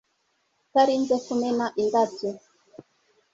Utarinze kumena indabyo